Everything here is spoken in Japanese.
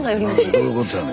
どういうことやの？